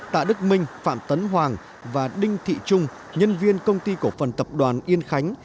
tạ đức minh phạm tấn hoàng và đinh thị trung nhân viên công ty cổ phần tập đoàn yên khánh